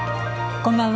こんばんは。